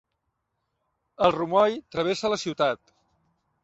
El Rumoi travessa la ciutat.